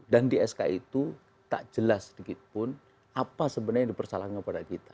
dan di sk itu tak jelas sedikit pun apa sebenarnya yang dipersalahkan kepada kita